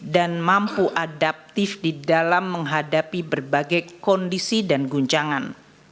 dan mampu adaptif di dalam menghadapi berbagai kondisi dan guncangan